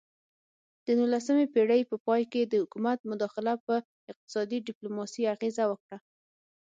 د نولسمې پیړۍ په پای کې د حکومت مداخله په اقتصادي ډیپلوماسي اغیزه وکړه